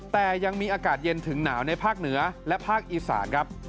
แต่ยังมีอากาศเย็นถึงหนาวในภาคเหนือและภาคอีสานครับ